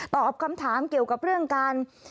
ตอบคำถามเกี่ยวกับเรื่องการ